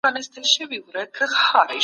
د دوی ژوند بايد له هر ډول تهديد څخه خوندي وي.